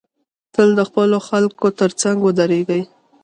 تل د خپلو خلکو تر څنګ ودریږی